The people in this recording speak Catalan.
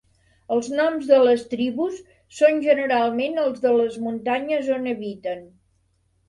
Els noms de les tribus són generalment els de les muntanyes on habiten.